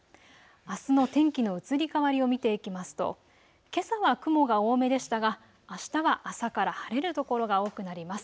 あすの天気の移り変わりを見ていきますとけさは雲が多めでしたがあしたは朝から晴れる所が多くなります。